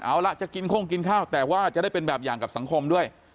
เอาล่ะจะกินโค้งกินข้าวแต่ว่าจะได้เป็นแบบอย่างกับสังคมด้วย